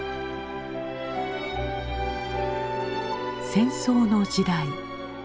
戦争の時代